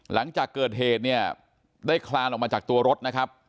หลังจากเกิดเหตุเนี่ยได้คลานออกมาจากตัวรถนะครับ